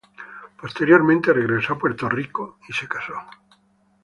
Posteriormente regresó a Puerto Rico y se casó.